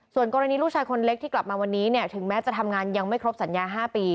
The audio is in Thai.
ส่วนกรณีลูกชายคนเล็กที่กลับมาวันนี้เนี่ยถึงแม้จะทำงานยังไม่ครบสัญญา๕ปี